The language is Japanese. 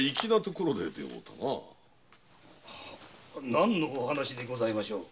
何のお話でございましょう？